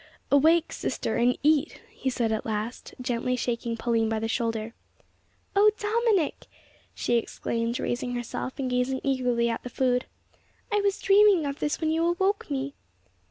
"Awake, sister, and eat!" he said at last, gently shaking Pauline by the shoulder. "O Dominick!" she exclaimed, raising herself, and gazing eagerly at the food. "I was dreaming of this when you awoke me!"